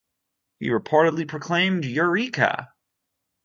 He reportedly proclaimed Eureka!